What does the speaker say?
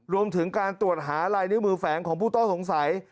รวมถึงการตรวจหาลายนิ้วมือแฝงของผู้ต้องสงสัย